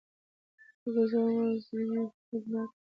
د خلکو زغم ازمېیل خطرناک دی